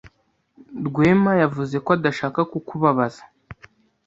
Rwema yavuze ko adashaka kukubabaza,